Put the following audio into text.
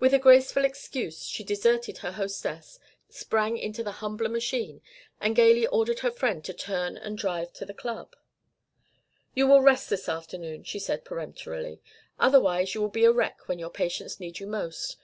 With a graceful excuse she deserted her hostess, sprang into the humbler machine, and gaily ordered her friend to turn and drive to the Club. "You take a rest this afternoon," she said peremptorily. "Otherwise you will be a wreck when your patients need you most.